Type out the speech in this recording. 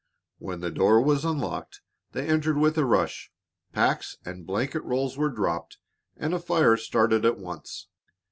When the door was unlocked they entered with a rush, packs and blanket rolls were dropped, and a fire started at once.